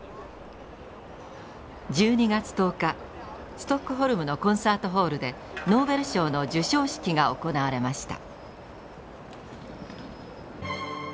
ストックホルムのコンサートホールでノーベル賞の授賞式が行われました。